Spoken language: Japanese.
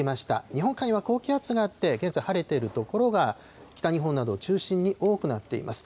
日本海は高気圧があって、現在晴れている所が、北日本などを中心に多くなっています。